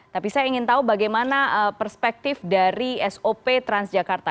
tapi saya ingin tahu bagaimana perspektif dari sop transjakarta